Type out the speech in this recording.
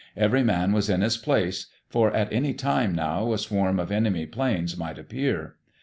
Every man was in his place, for at any time now a swarm of enemy planes might appear.